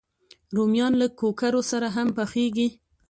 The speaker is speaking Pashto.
رومیان له کوکرو سره هم پخېږي